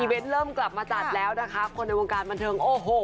เวนต์เริ่มกลับมาจัดแล้วนะคะคนในวงการบันเทิงโอ้โห